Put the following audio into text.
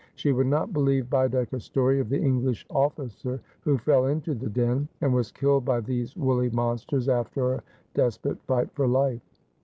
She would not believe Baedeker's story of the English officer, who fell into the den, and was kilkd by these woolly monsters, after a desperate fight for life.